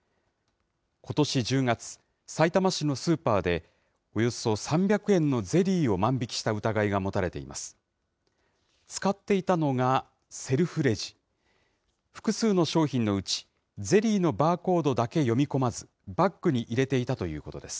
ことし１０月、さいたま市のスーパーで、およそ３００円のゼリーを万引きした疑いが持たれています。